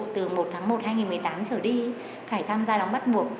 từ một tháng một năm hai nghìn một mươi tám cho đến khi khải tham gia đóng bắt buộc